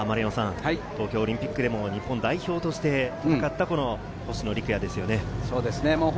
東京オリンピックでも日本代表として戦った星野陸也ですよね。